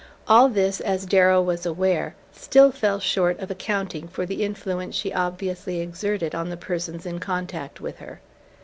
All this, as Darrow was aware, still fell short of accounting for the influence she obviously exerted on the persons in contact with her.